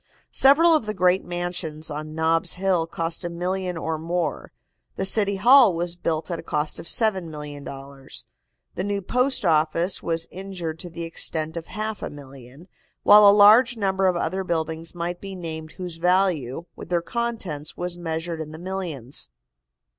Several of the great mansions on Nob's Hill cost a million or more, the City Hall was built at a cost of $7,000,000, the new Post Office was injured to the extent of half a million, while a large number of other buildings might be named whose value, with their contents, was measured in the millions.